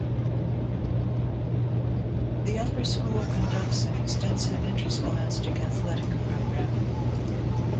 The Upper School conducts an extensive interscholastic athletic program.